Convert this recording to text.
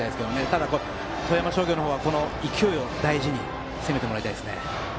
ただ、富山商業の方はこの勢いを大事に攻めてもらいたいですね。